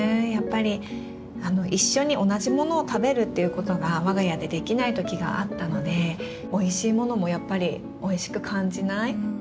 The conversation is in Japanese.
やっぱり一緒に同じものを食べるっていうことが我が家でできない時があったのでおいしいものもやっぱりおいしく感じない。